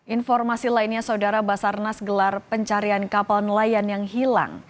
informasi lainnya saudara basarnas gelar pencarian kapal nelayan yang hilang